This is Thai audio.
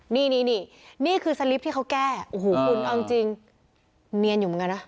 นี่นี่นี่คือสลิปที่เขาแก้โอ้โหคุณเอาจริงเนียนอยู่เหมือนกันนะ